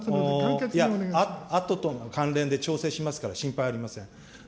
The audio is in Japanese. あととの調整しますから、心配ありません。